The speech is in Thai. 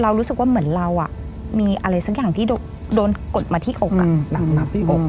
เรารู้สึกว่าเหมือนเราอ่ะมีอะไรสักอย่างที่โดโดนกดมาที่อกอ่ะอืมอืมที่อก